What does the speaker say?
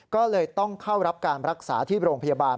ก็เลยต้องเข้ารับการรักษาที่โรงพยาบาล